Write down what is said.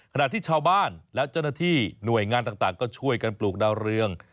ขณะที่ชาวบ้านและเจ้าหน้าที่หน่วยงานต่างก็ช่วยกันปลูกดาวเรือง